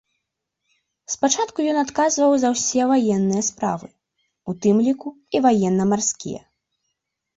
Спачатку ён адказваў за ўсе ваенныя справы, у тым ліку і ваенна-марскія.